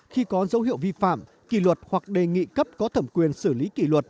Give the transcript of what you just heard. khi có dấu hiệu vi phạm kỳ luật hoặc đề nghị cấp có thẩm quyền xử lý kỷ luật